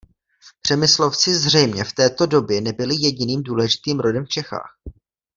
Přemyslovci zřejmě v této době nebyli jediným důležitým rodem v Čechách.